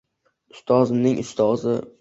Ustozimning ustozi